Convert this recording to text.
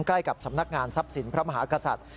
ใกล้กับสำนักงานทรัพย์สินพระมหากษัตริย์